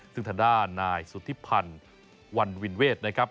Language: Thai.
ซึ่งทางด้านนายสุธิพันธ์วันวินเวทนะครับ